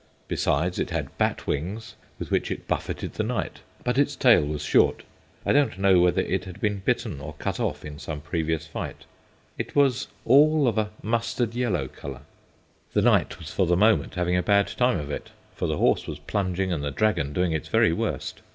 Besides, it had bat wings, with which it buffeted the knight, but its tail was short. I don't know whether it had been bitten or cut off in some previous fight. It was all of a mustard yellow colour. The knight was for the moment having a bad time of it, for the horse was plunging and the dragon doing its very worst.